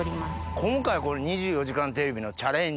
今回この『２４時間テレビ』のチャレンジ。